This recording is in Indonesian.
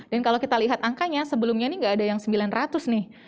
dan kalau kita lihat angkanya sebelumnya ini nggak ada yang sembilan ratus nih